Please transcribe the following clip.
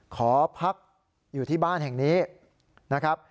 ขอพักอยู่ที่บ้านแห่งนี้นะครับ